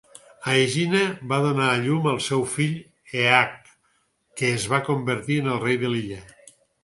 Aegina va donar a llum al seu fill Èeac, que es va convertir en el rei de l'illa.